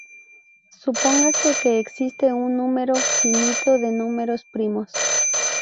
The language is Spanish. Supóngase que existe un número finito de números primos.